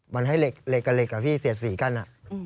มันให้เหล็กอ่ะพี่เสียสี่กั้น